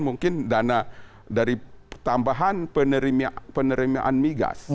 mungkin dana dari tambahan penerimaan migas